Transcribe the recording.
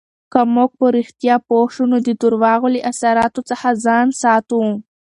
که موږ په رښتیا پوه شو، نو د درواغو له اثراتو څخه ځان ساتو.